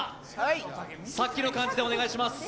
さっきの感じでお願いします。